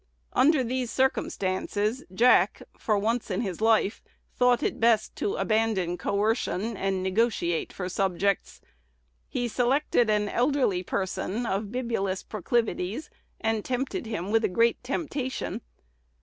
Under these circumstances, Jack, for once in his life, thought it best to abandon coercion, and negotiate for subjects. He selected an elderly person of bibulous proclivities, and tempted him with a great temptation.